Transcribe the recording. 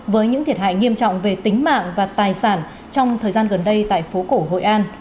với những thiệt hại nghiêm trọng về tính mạng và tài sản trong thời gian gần đây tại phố cổ hội an